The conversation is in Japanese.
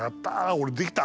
俺できた！